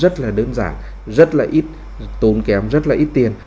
tốn kém rất là ít tiền